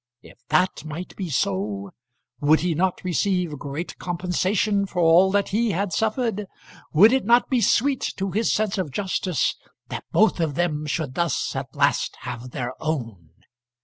If that might be so, would he not receive great compensation for all that he had suffered? Would it not be sweet to his sense of justice that both of them should thus at last have their own?